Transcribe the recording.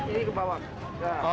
ini ke bawah